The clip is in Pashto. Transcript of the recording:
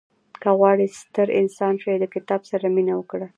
• که غواړې ستر انسان شې، د کتاب سره مینه وکړه.